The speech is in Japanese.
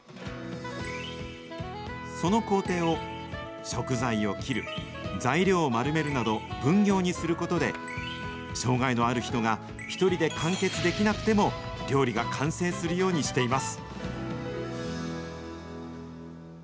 その工程を食材を切る、材料を丸めるなど、分業にすることで、障害のある人が１人で完結できなくても、料理が完成するようにしています。